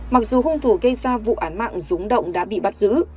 mặc dù hung thủ gây ra vụ án mạng rúng động đã bị bắt giữ